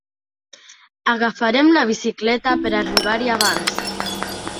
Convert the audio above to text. Agafarem la bicicleta per arribar-hi abans.